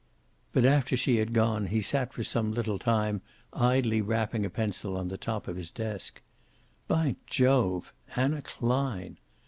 But after she had gone he sat for some little time idly rapping a pencil on the top of his desk. By Jove! Anna Klein!